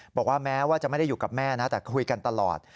บอกว่าแม้ว่าจะไม่ได้อยู่กับแม่นะแต่คุยกันตลอด